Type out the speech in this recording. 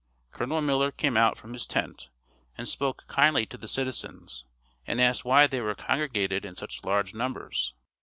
Colonel Miller came out from his tent and spoke kindly to the citizens and asked why they were congregated in such large numbers.